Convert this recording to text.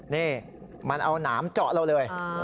นี่มันเอาหนามเจาะเราเลย